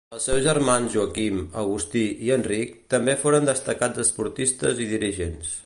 Els seus germans Joaquim, Agustí i Enric també foren destacats esportistes i dirigents.